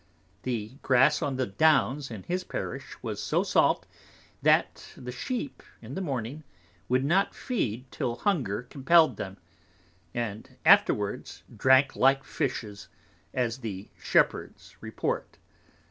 The Grass on the Downs in his Parish was so salt, that the Sheep in the Morning would not feed till hunger compelled them, and afterwards drank like Fishes, as the Shepherds report.